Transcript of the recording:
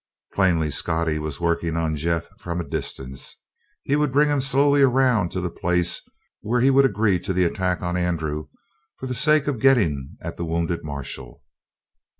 Plainly Scottie was working on Jeff from a distance. He would bring him slowly around to the place where he would agree to the attack on Andrew for the sake of getting at the wounded marshal.